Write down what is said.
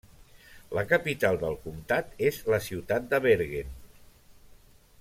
La capital del comtat és la ciutat de Bergen.